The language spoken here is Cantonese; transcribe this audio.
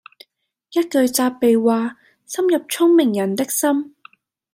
一句責備話深入聰明人的心